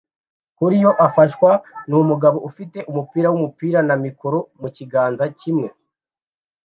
kuri yo afashwa numugabo ufite umupira wumupira na mikoro mukiganza kimwe